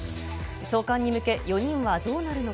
送還に向け、４人はどうなるのか。